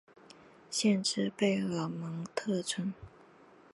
县治贝尔蒙特村。